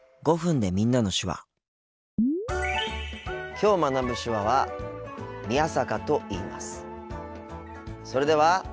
きょう学ぶ手話はそれでは。